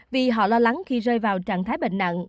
vì họ lo lắng khi rơi vào trạng thái bệnh nặng